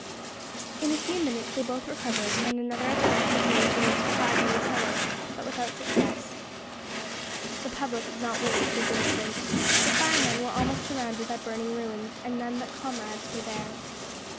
In a few minutes they both recovered, and another attempt was made to reach the fire in the cellar, but without success. The public did not witness this incident. The firemen were almost surrounded by burning ruins, and none but comrades were there.